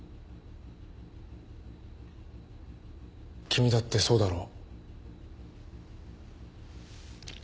君だってそうだろ？